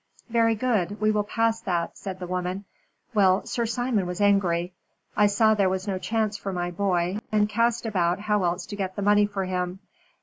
"Very good. We will pass that," said the woman. "Well, Sir Simon was angry. I saw there was no chance for my boy, and cast about how else to get the money for him.